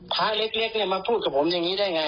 พระเล็กมาพูดกับผมอย่างนี้ได้ไง